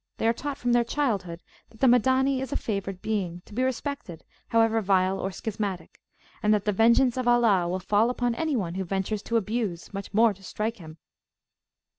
They are taught from their childhood that the Madani is a favoured being, to be respected however vile or schismatic; and that the vengeance of Allah will fall upon any one who ventures to abuse, much more to strike him.